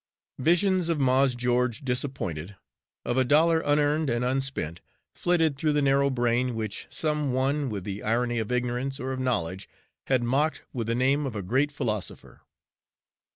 Visions of Mars Geo'ge disappointed, of a dollar unearned and unspent, flitted through the narrow brain which some one, with the irony of ignorance or of knowledge, had mocked with the name of a great philosopher.